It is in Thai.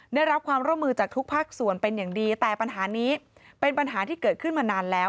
ได้รับความร่วมมือจากทุกภาคส่วนเป็นอย่างดีแต่ปัญหานี้เป็นปัญหาที่เกิดขึ้นมานานแล้ว